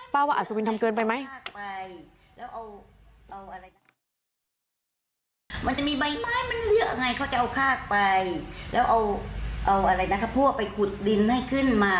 เปล่าว่าอาศวินต์ทำเกินไปไหม